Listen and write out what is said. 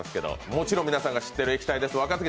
もちろん皆さんが知っている液体です。